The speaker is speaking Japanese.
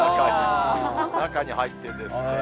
中に入ってるんですね。